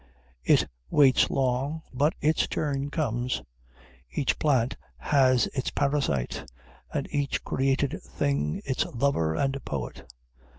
It waits long, but its turn comes. Each plant has its parasite, and each created thing its lover and poet.